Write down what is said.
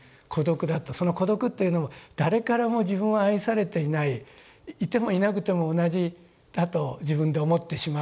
その孤独というのも誰からも自分は愛されていないいてもいなくても同じだと自分で思ってしまう。